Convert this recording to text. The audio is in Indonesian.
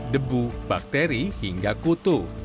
debu bakteri hingga kutu